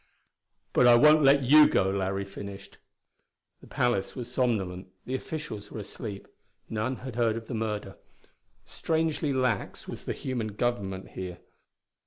"But I won't let you go," Larry finished. The palace was somnolent; the officials were asleep: none had heard of the murder. Strangely lax was the human government here.